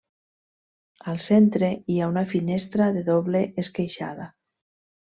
Al centre hi ha una finestra de doble esqueixada.